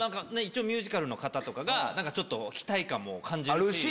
ミュージカルの方とかがちょっと期待感も感じるし。